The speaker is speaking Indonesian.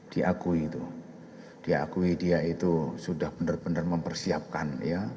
diakui itu diakui dia itu sudah benar benar mempersiapkan ya